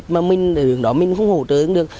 mà mình ở biển đó mình không hỗ trợ được